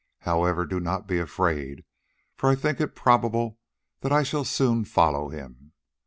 However, do not be afraid, for I think it probable that I shall soon follow him.